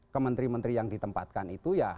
kementri mentri yang ditempatkan itu ya